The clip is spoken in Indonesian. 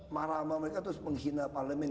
marah sama mereka terus menghina parlemen